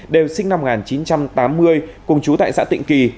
đều sinh năm một nghìn chín trăm tám mươi cùng chú tại xã tịnh kỳ